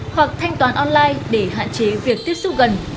hoặc thanh toán online để hạn chế việc tiếp xúc gần